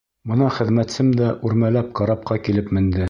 Бына хеҙмәтсем дә үрмәләп карапҡа килеп менде.